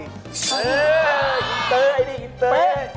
เอออินเตอร์ไอ้นี่อินเตอร์